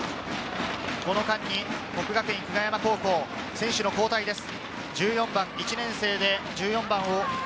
この間に國學院久我山高校、選手の交代です。